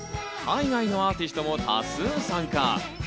海外のアーティストも多数参加。